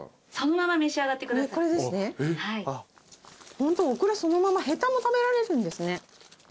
ホントオクラそのままへたも食べられるんですね。